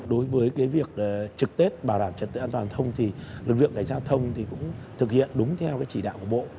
đối với cái việc trực tết bảo đảm trật tự an toàn thông thì lực lượng cảnh sát thông thì cũng thực hiện đúng theo cái chỉ đạo của bộ